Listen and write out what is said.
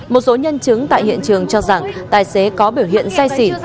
một số nhân chứng tại hiện trường cho rằng tài xế có biểu hiện say xỉn